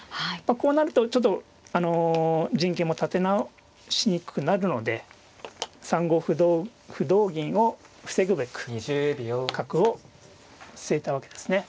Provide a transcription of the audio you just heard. こうなるとちょっと陣形も立て直しにくくなるので３五歩同歩同銀を防ぐべく角を据えたわけですね。